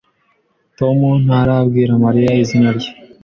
Tom ntarabwira Mariya izina rye.